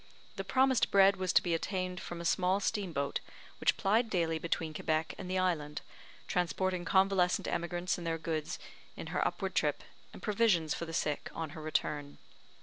The promised bread was to be obtained from a small steam boat, which plied daily between Quebec and the island, transporting convalescent emigrants and their goods in her upward trip, and provisions for the sick on her return.